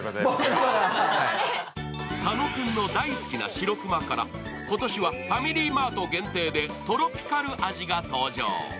佐野君の大好きなしろくまから今年はファミリーマート限定でトロピカル味が登場。